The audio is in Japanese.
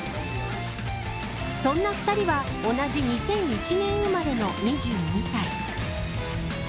そんな２人は同じ２００１年生まれの２２歳。